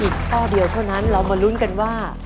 ข้อเดียวเท่านั้นเรามาลุ้นกันว่า